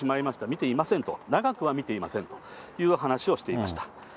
見ていませんと、長くは見ていませんという話をしていました。